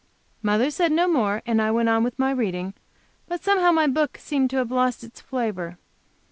Mother said no more, and I went on with my reading. But somehow my book seemed to have lost its flavor.